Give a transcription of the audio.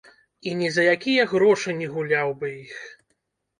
І ні за якія грошы не гуляў бы іх.